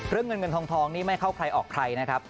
เรื่องเงินเงินทองนี่ไม่เข้าใครออกใครนะครับ